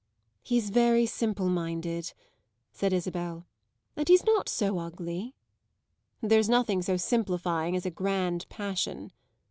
"He's very simple minded," said Isabel. "And he's not so ugly." "There's nothing so simplifying as a grand passion."